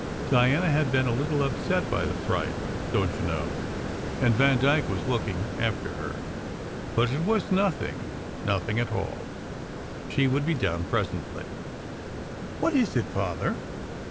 Diana had been a "little upset by the fright, don t you know, and Van dyke was looking after her"; but it was nothing nothing at all. She would be down presently. "What is it, Father?